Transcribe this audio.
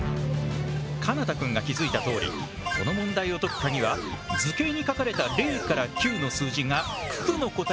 奏多くんが気付いたとおりこの問題を解くカギは図形に書かれた０９の数字が九九の答え